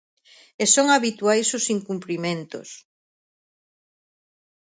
E son habituais os incumprimentos.